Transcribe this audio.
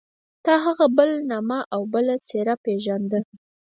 تا هغه په بل نامه او بله څېره پېژانده.